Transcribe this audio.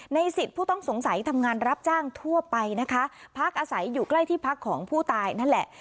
สิทธิ์ผู้ต้องสงสัยทำงานรับจ้างทั่วไปนะคะพักอาศัยอยู่ใกล้ที่พักของผู้ตายนั่นแหละ